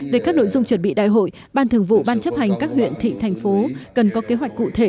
về các nội dung chuẩn bị đại hội ban thường vụ ban chấp hành các huyện thị thành phố cần có kế hoạch cụ thể